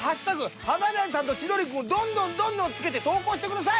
華大さんと千鳥くんをどんどんどんどん付けて投稿してください！